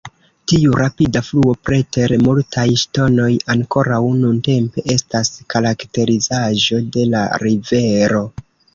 Tiu rapida fluo preter multaj ŝtonoj ankoraŭ nuntempe estas karakterizaĵo de la rivero.